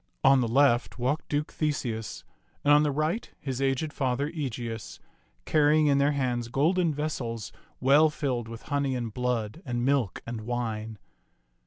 On the left walked Duke Theseus, and on the right his aged father Egeus, carrying in their hands golden vessels well filled with honey and blood and milk and wine.